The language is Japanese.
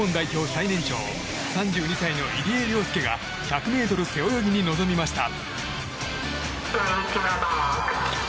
最年長３２歳の入江陵介が１００ｍ背泳ぎに臨みました。